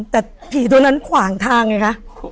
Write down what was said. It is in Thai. แต่ผีตัวนั้นขวางทางไงคะ